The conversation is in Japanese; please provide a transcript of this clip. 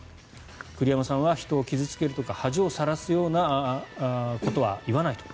栗山さんは人を傷付けるとか恥をさらすようなことは言わないと。